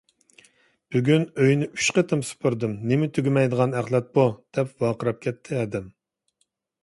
— بۈگۈن ئۆينى ئۈچ قېتىم سۈپۈردۈم، نېمە تۈگىمەيدىغان ئەخلەت بۇ؟ !— دەپ ۋارقىراپ كەتتى ھەدەم.